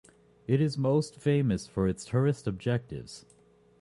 It is mostly famous for its tourist objectives.